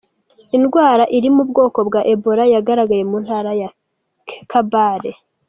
Indwara iri mu bwoko bwa Ebola yagaragaye mu ntara ya Kabale